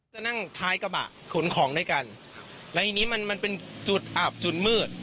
จะนั่งท้ายกระบะขนของด้วยกันแล้วทีนี้มันมันเป็นจุดอับจุดมืด